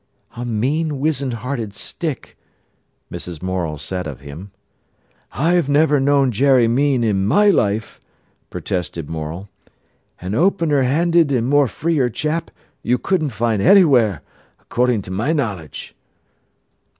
"A mean, wizzen hearted stick!" Mrs. Morel said of him. "I've never known Jerry mean in my life," protested Morel. "A opener handed and more freer chap you couldn't find anywhere, accordin' to my knowledge."